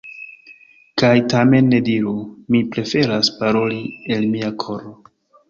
Kaj tamen, ne diru: “Mi preferas paroli el mia koro”.